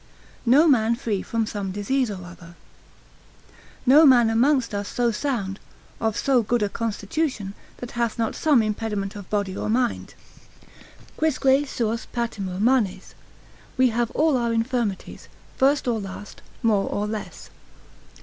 No man free from some Disease or other.] No man amongst us so sound, of so good a constitution, that hath not some impediment of body or mind. Quisque suos patimur manes, we have all our infirmities, first or last, more or less.